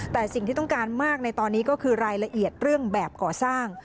แต่สิ่งที่ต้องการมากในตอนนี้ก็คือรายละเอียดเรื่องแบบก่อสร้าง